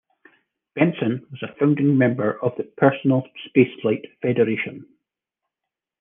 Benson was a founding member of the Personal Spaceflight Federation.